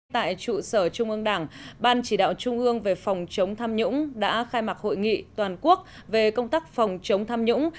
tại trụ sở trung ương đảng ban chỉ đạo trung ương về phòng chống tham nhũng đã khai mạc hội nghị toàn quốc về công tác phòng chống tham nhũng